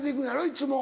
いつも。